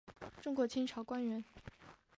中国清朝官员。